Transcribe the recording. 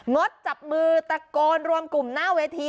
งดจับมือตะโกนรวมกลุ่มหน้าเวที